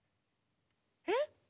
えっ？